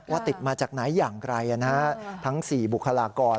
ติดมาจากไหนอย่างไรทั้ง๔บุคลากร